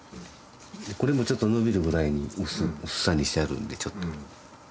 これもちょっと伸びるぐらいに薄さにしてあるんでちょっと。